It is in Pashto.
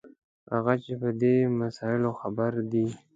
هغه چې په دې مسایلو خبر دي.